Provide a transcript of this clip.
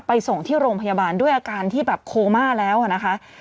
ส่งที่โรงพยาบาลด้วยอาการที่แบบโคม่าแล้วนะคะ